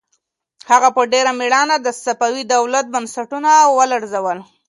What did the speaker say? هغه په ډېر مېړانه د صفوي دولت بنسټونه ولړزول.